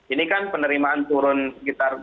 ini kan penerimaan turun sekitar